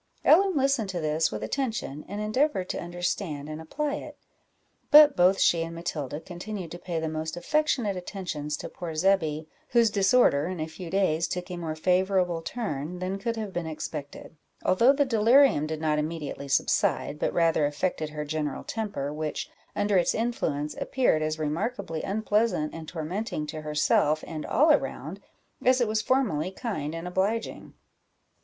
Ellen listened to this with attention, and endeavoured to understand and apply it; but both she and Matilda continued to pay the most affectionate attentions to poor Zebby, whose disorder in a few days took a more favourable turn than could have been expected, although the delirium did not immediately subside, but rather affected her general temper, which, under its influence, appeared as remarkably unpleasant and tormenting to herself and all around, as it was formerly kind and obliging.